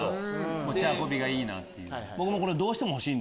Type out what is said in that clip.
持ち運びがいいな！っていう。